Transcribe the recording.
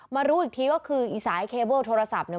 รู้อีกทีก็คือไอ้สายเคเบิลโทรศัพท์เนี่ย